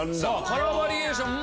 カラーバリエーションも。